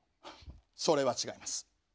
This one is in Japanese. それは違います。